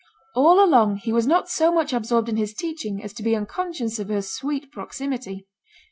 All along he was not so much absorbed in his teaching as to be unconscious of her sweet proximity.